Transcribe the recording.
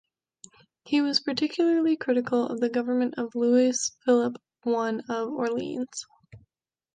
He was particularly critical of the government of Louis-Philippe I of Orleans.